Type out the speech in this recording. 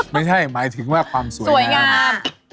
หมายถึงว่าความสวยงาม